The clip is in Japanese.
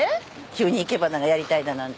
急に生け花がやりたいだなんて。